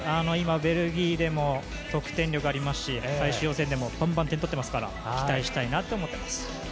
今ベルギーでも得点力がありますし最終予選でもバンバン点取ってますから期待したいです。